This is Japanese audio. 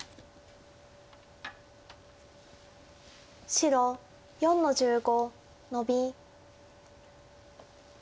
白４の十五ノビ。